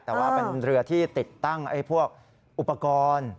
แต่ว่าเป็นเรือที่ติดตั้งพวกอุปกรณ์